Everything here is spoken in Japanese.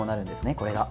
これが。